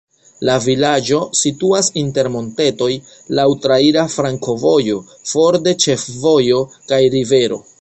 La vilaĝo situas inter montetoj, laŭ traira flankovojo, for de ĉefvojo kaj rivero.